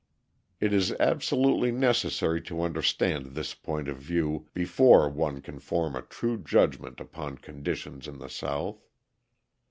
It is absolutely necessary to understand this point of view before one can form a true judgment upon conditions in the South.